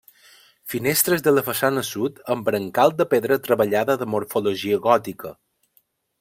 Finestres de la façana sud amb brancal de pedra treballada de morfologia gòtica.